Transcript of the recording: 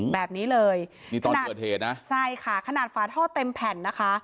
แบบนี้เลยนี่ตอนเกิดเหตุนะใช่ค่ะขนาดฝาท่อเต็มแผ่นนะคะ